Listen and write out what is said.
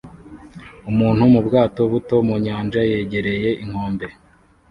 Umuntu mubwato buto mu nyanja yegereye inkombe